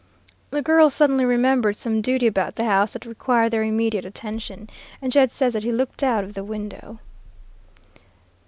"The girls suddenly remembered some duty about the house that required their immediate attention, and Jed says that he looked out of the window."